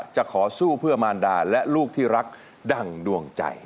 จะขอสู้เพื่อมารดาและลูกที่รักดั่งดวงใจ